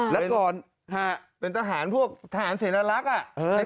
แล้วก่อนเป็นทหารพวกทหารเสนลักษณ์